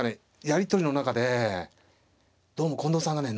やり取りの中でどうも近藤さんがね